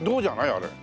あれ。